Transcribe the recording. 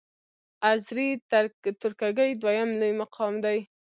آذری ترکګي دویم لوی قوم دی.